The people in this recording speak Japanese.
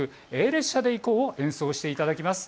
列車で行こうを演奏していただきます。